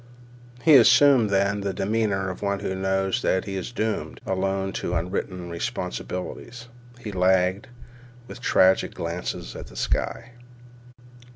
He assumed, then, the demeanor of one who knows that he is doomed alone to unwritten responsibilities. He lagged, with tragic glances at the sky.